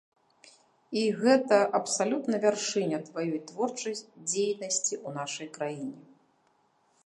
І гэта абсалютна вяршыня тваёй творчай дзейнасці ў нашай краіне.